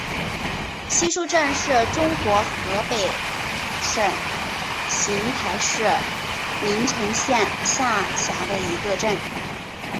西竖镇是中国河北省邢台市临城县下辖的一个镇。